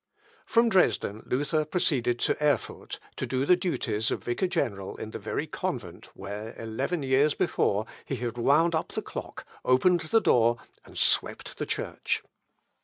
From Dresden, Luther proceeded to Erfurt, to do the duties of vicar general in the very convent where, eleven years before, he had wound up the clock, opened the door, and swept the Church.